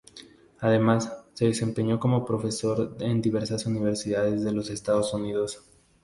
Además, se desempeñó como profesor en diversas universidades de los Estados Unidos.